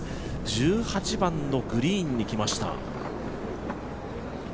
１８番のグリーンに来ました。